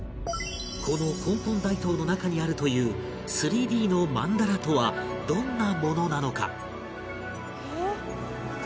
この根本大塔の中にあるという ３Ｄ の曼荼羅とはどんなものなのか？